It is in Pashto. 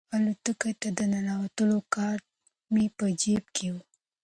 الوتکې ته د ننوتلو کارت مې په جیب کې و.